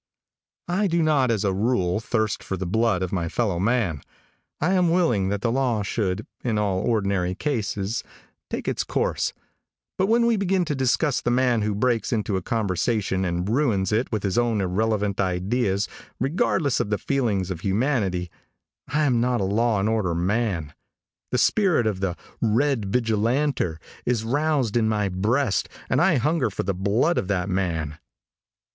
|I DO not, as a rule, thirst for the blood of my fellow man. I am willing that the law should in all ordinary cases take its course, but when we begin to discuss the man who breaks into a conversation and ruins it with his own irrelevant ideas, regardless of the feelings of humanity, I am not a law and order man. The spirit of the "Red Vigilanter" is roused in my breast and I hunger for the blood of that man.